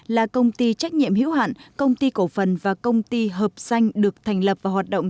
là công ty trách nhiệm hữu hạn công ty cổ phần và công ty hợp danh được thành lập và hoạt động